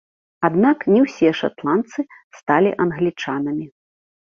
Аднак не ўсе шатландцы сталі англічанамі.